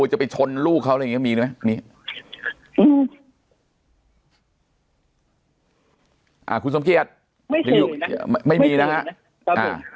จะไปชนลูกเขาอะไรอย่างงี้มีไหมมีอ่าคุณสมเกียจไม่เคยนะไม่มีนะฮะ